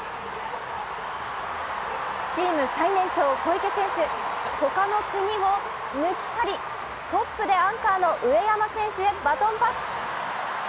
チーム最年長・小池選手、他の国を抜き去り、トップでアンカーの上山選手へバトンパス。